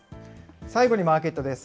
最後にマーケットです。